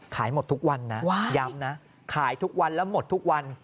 ขายหมดทุกวันนะย้ำนะขายทุกวันแล้วหมดทุกวัน